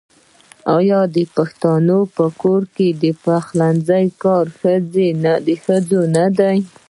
آیا د پښتنو په کور کې د پخلنځي کار د ښځو نه دی؟